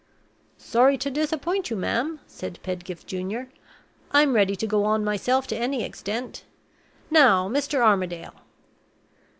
"Sorry to disappoint you, ma'am," said Pedgift Junior; "I'm ready to go on myself to any extent. Now, Mr. Armadale!"